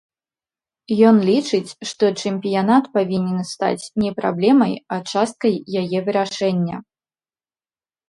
Ён лічыць, што чэмпіянат павінен стаць не праблемай, а часткай яе вырашэння.